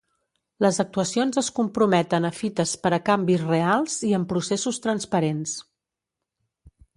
Les actuacions es comprometen a fites per a canvis reals i amb processos transparents.